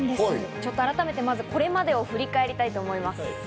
ちょっと改めて、まずこれまでを振り返りたいと思います。